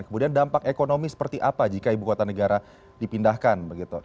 kemudian dampak ekonomi seperti apa jika ibu kota negara dipindahkan